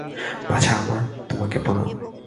বাছা আমার, তোমাকে প্রণাম।